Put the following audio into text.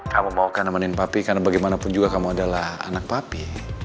kamu mau kanemanin papi karena bagaimanapun juga kamu adalah anak papi